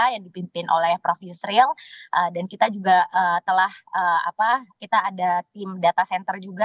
yang dipimpin oleh prof yusril dan kita juga telah kita ada tim data center juga